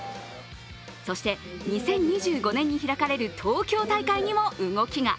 そして、２０２５年に開かれる東京大会にも動きが。